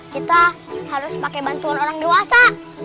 kita harus pakai bantuan orang dewasa